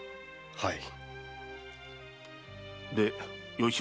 はい。